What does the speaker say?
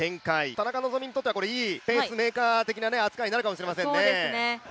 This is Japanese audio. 田中希実にとっては、いいペースメーカー的な扱いになるかもしれませんね。